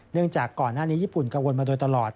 จากก่อนหน้านี้ญี่ปุ่นกังวลมาโดยตลอด